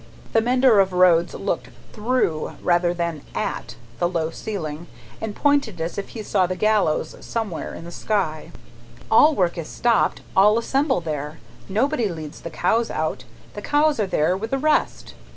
The mender of roads looked through rather than at the low ceiling, and pointed as if he saw the gallows somewhere in the sky. "All work is stopped, all assemble there, nobody leads the cows out, the cows are there with the rest.